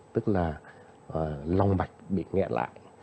tức là lòng mạch bị nghẽn lại